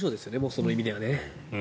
その意味ではね。